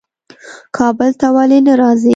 کابل ته ولي نه راځې؟